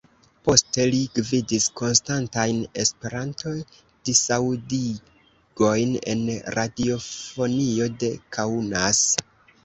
Poste li gvidis konstantajn E-disaŭdigojn en radiofonio de Kaunas.